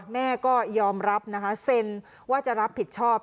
แม่ก็ยอมรับนะคะเซ็นว่าจะรับผิดชอบ